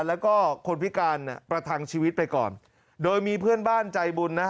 แล้วก็คนพิการประทังชีวิตไปก่อนโดยมีเพื่อนบ้านใจบุญนะฮะ